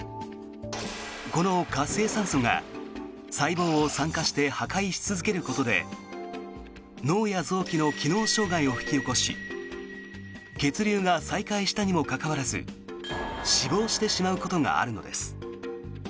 この活性酸素が細胞を酸化して破壊し続けることで脳や臓器の機能障害を引き起こし血流が再開したにもかかわらず死亡してしまうことがあるのです。